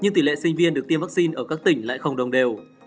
nhưng tỷ lệ sinh viên được tiêm vaccine ở các tỉnh lại không đồng đều